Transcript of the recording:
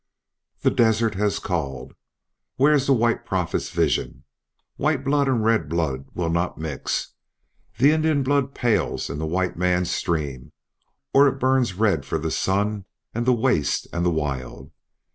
"The desert has called. Where is the White Prophet's vision? White blood and red blood will not mix. The Indian's blood pales in the white man's stream; or it burns red for the sun and the waste and the wild.